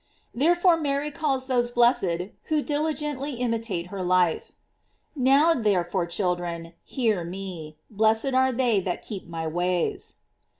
Therefore Mary calls those blessed who diligently imitate her life; "Now, therefore, children, hear me ; blessed are they that keep my ways."